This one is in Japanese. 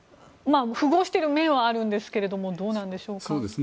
符合している面はあるんですがどうなんでしょうか。